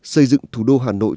xây dựng thủ đô hà nội